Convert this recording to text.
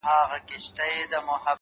مثبت فکر د ستونزو بار سپکوي’